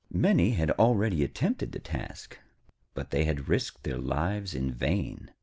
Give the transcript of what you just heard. Many had already attempted the task, but they had risked their lives in vain.